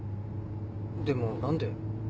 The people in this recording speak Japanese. でも何で？